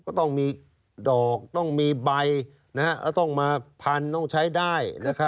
ก็ต้องมีดอกต้องมีใบแล้วต้องมาพันต้องใช้ได้